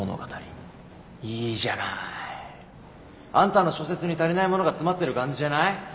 いいじゃない。あんたの小説に足りないものが詰まってる感じじゃない？